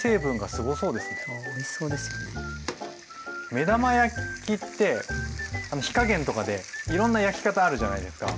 目玉焼きって火加減とかでいろんな焼き方あるじゃないですか。